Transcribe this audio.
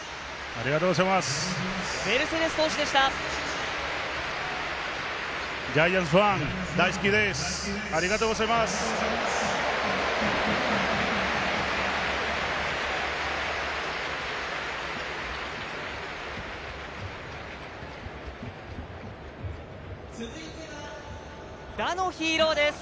ありがとうございます！